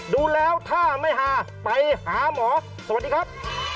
ดูแล้วถ้าไม่หาไปหาหมอสวัสดีครับ